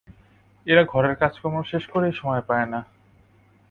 এরা ঘরের কাজকর্ম শেষ করেই সময় পায় না!